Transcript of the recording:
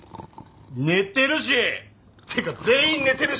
寝てるし！ってか全員寝てるし！